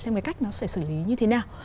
xem cái cách nó sẽ xử lý như thế nào